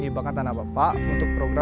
pokoknya saya nggak terima